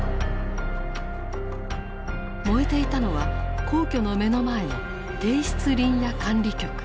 燃えていたのは皇居の目の前の帝室林野管理局。